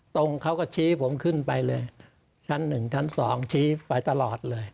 ตรงเขาก็ชี้ผมขึ้นไปเลยชั้น๑ชั้น๒ชี้ไปตลอดเลย